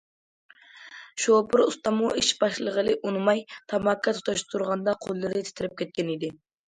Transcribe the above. شوپۇر ئۇستاممۇ ئىش باشلىغىلى ئۇنىماي، تاماكا تۇتاشتۇرغاندا قوللىرى تىترەپ كەتكەن ئىدى.